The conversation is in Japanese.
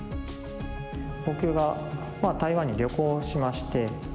僕が台湾に旅行しまして。